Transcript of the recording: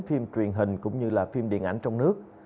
phim truyền hình cũng như là phim điện ảnh trong nước